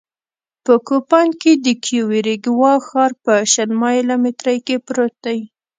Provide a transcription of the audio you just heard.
په کوپان کې د کیوریګوا ښار په شل مایله مترۍ کې پروت دی